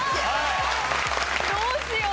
どうしよう。